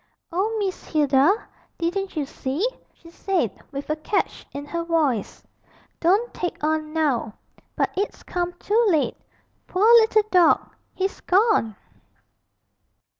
'Oh, Miss Hilda, didn't you see?' she said, with a catch in her voice. 'Don't take on, now; but it's come too late poor little dog, he's gone!'